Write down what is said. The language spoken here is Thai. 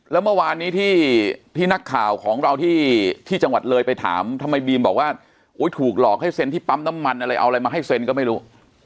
แล้วเมื่อวานนี้ที่นักข่าวของเราที่จังหวัดเลยไปถามทำไมบีมบอกว่าถูกหลอกให้เซ็นที่ปั๊มน้ำมันอะไรเอาอะไรมาให้เซ็นก็ไม่รู้